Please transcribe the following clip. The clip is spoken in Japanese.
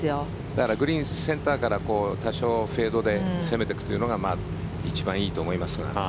だからグリーンセンターから多少フェードで攻めていくというのが一番いいと思いますが。